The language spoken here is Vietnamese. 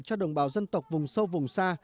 cho đồng bào dân tộc vùng sâu vùng xa